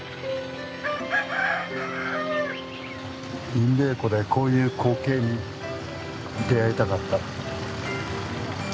インレー湖でこういう光景に出会いたかった。